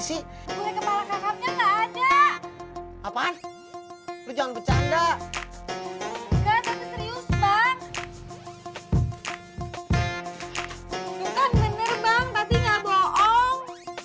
lo kan bener bang pasti gak bohong